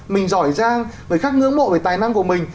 mình giỏi giang người khác ngưỡng mộ về tài năng của mình